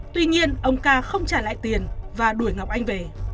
tuy nhiên ông ca không trả lại tiền và đuổi ngọc anh về